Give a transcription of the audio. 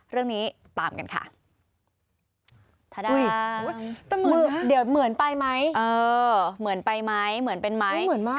เรื่องนี้ตามกันค่ะอุ้ยเดี๋ยวเหมือนไปไหมเออเหมือนไปไหม